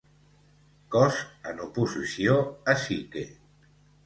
Cos, en oposició a psique.